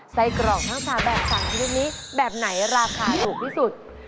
ไส้กรอกทั้ง๓แบบ๓ชนิดนี้แบบไหนราคาถูกที่สุด